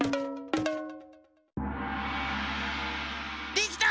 できた！